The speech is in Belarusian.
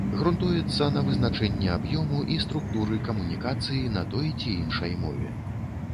Грунтуецца на вызначэнні аб'ёму і структуры камунікацыі на той ці іншай мове.